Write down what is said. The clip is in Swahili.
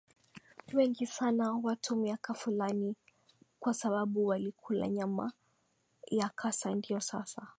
wengi sana watu miaka Fulani kwa sababu walikula nyama ya kasa Ndio sasa